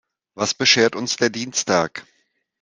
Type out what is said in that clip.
Was beschert uns der Dienstag?